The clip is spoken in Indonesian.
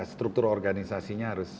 struktur organisasinya harus